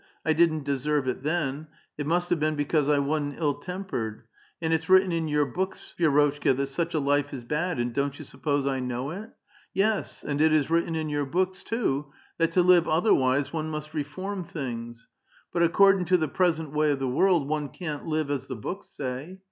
I didn't desei*ve it then. It must have been because I wa'n't ill tempered. And it's written in your books, Vi^rotchka, that such a life is bad, and don't you suppose I know it? Yes, and it is written in j'our books, ^ too, that to live otherwise one must reform things ; but ac • cordin' to the present way of the world one can't live as the books say.